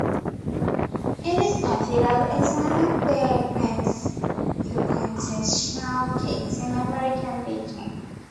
It is considered as one of the quintessential cakes in American baking.